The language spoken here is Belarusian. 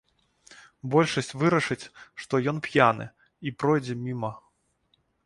Большасць вырашыць, што ён п'яны, і пройдзе міма.